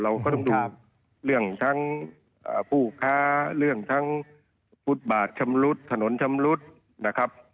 เราก็ต้องดูเรื่องทั้งผู้ค้าเรื่องทั้งฟุตบาทชำรุดถนนชำรุดนะครับ